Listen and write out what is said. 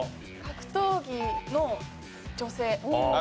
格闘技女性